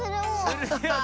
するよね。